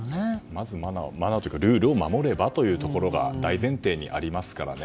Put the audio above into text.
まずマナーというかルールを守ればというところが大前提にありますからね。